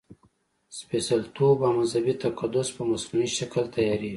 سپېڅلتوب او مذهبي تقدس په مصنوعي شکل تیارېږي.